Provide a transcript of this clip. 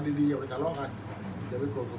อันไหนที่มันไม่จริงแล้วอาจารย์อยากพูด